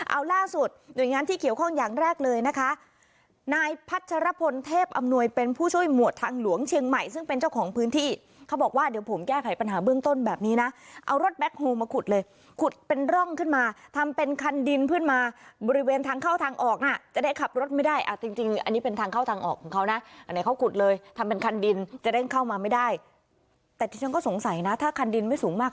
เอาล่าสุดหน่วยงานที่เขียวข้องอย่างแรกเลยนะคะนายพัชรพลเทพอำนวยเป็นผู้ช่วยหมวดทางหลวงเชียงใหม่ซึ่งเป็นเจ้าของพื้นที่เขาบอกว่าเดี๋ยวผมแก้ไขปัญหาเบื้องต้นแบบนี้น่ะเอารถแบคโฮมาขุดเลยขุดเป็นร่องขึ้นมาทำเป็นคันดินขึ้นมาบริเวณทางเข้าทางออกน่ะจะได้ขับรถไม่ได้อ่ะจริงจริงอันนี้เป